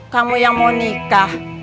kamu yang mau nikah